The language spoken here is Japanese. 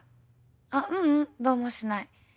あっううんどうもしない。